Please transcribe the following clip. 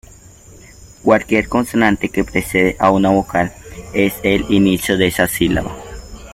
Cualquier consonante que precede a una vocal es el inicio de esa sílaba.